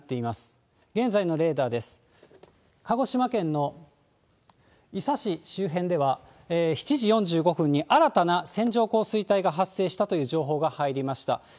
鹿児島県の伊佐市周辺では、７時４５分に新たな線状降水帯が発生したという情報が入りました。